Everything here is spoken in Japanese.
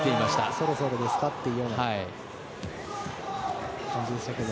そろそろですかというような感じでしたけれど。